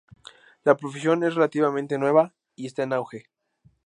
La profesión es relativamente nueva y está en auge.